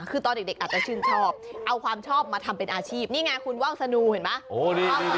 คือตอนเด็กอาจจะชื่นชอบเอาความชอบมาทำเป็นอาชีพนี่ไงคุณว่าวสนูเห็นไหม